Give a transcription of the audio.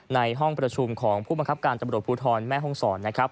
ในห้องประชุมของผู้บังคับการตำรวจภูทรแม่ห้องศรนะครับ